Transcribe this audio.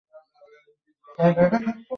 আর Riddler হলো দেশলাই।